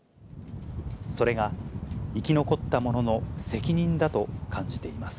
それが、生き残った者の責任だと感じています。